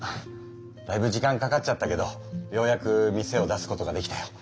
だいぶ時間かかっちゃったけどようやく店を出すことができたよ。